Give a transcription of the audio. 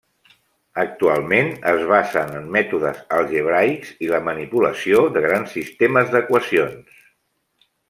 Actualment es basen en mètodes algebraics i la manipulació de grans sistemes d'equacions.